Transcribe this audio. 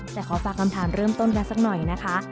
แต่ขอฝากคำถามเริ่มต้นกันสักหน่อยนะคะ